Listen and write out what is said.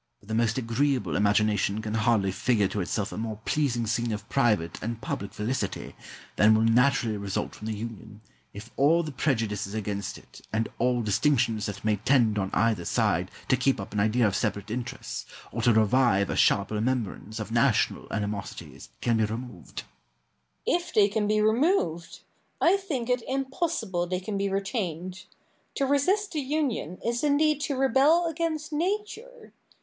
But the most agreeable imagination can hardly figure to itself a more pleasing scene of private and public felicity than will naturally result from the union, if all the prejudices against it, and all distinctions that may tend on either side to keep up an idea of separate interests, or to revive a sharp remembrance of national animosities, can be removed. Douglas. If they can be removed! I think it impossible they can be retained. To resist the union is indeed to rebel against Nature.